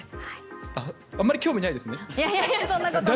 あまり興味ないですね？